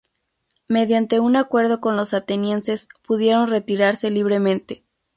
Mediante un acuerdo con los atenienses pudieron retirarse libremente.